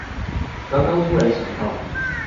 剛剛突然想到